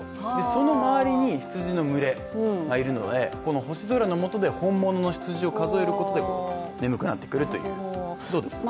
その周りに羊の群れがいるので、この星空のもとで本物の羊を数えることで眠くなってくるという、どうですか？